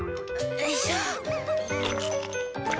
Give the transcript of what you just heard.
よいしょ！